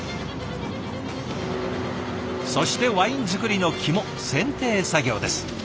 そしてワイン造りの肝選定作業です。